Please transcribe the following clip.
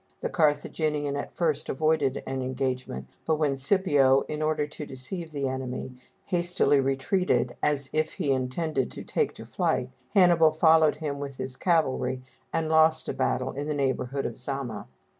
The Carthaginian at first avoided an engagement; but when Scipio, in order to deceive the enemy, hastily retreated as if he intended to take to flight, Hannibal followed him with his cavalry and lost a battle in the neighborhood of Zama.